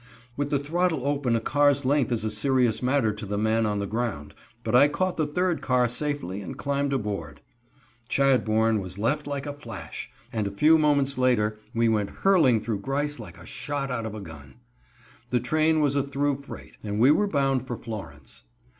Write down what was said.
With the throttle open a car's length is a serious matter to the man on the ground, but I caught the third car safely and climbed aboard. Chadbourn was left like a flash, and a few moments later we went hurling through Grice like a shot out of a gun. The train was a through freight, and we were bound for Florence.